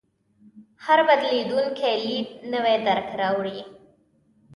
هر بدلېدونکی لید نوی درک راوړي.